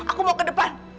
aku mau ke depan